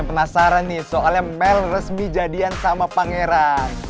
penasaran nih soalnya mel resmi jadian sama pangeran